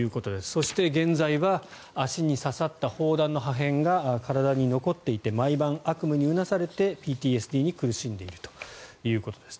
そして現在は足に刺さった砲弾の破片が体に残っていて毎晩悪夢にうなされてＰＴＳＤに苦しんでいるということです。